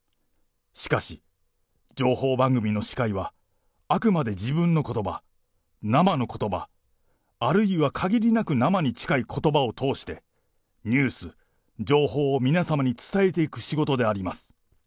しかし、情報番組の司会はあくまで自分のことば、生のことば、あるいはかぎりなく生に近いことばを通して、ニュース、情報を皆様に伝えていく仕事であります。